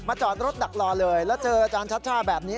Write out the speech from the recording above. จอดรถดักรอเลยแล้วเจออาจารย์ชัชชาแบบนี้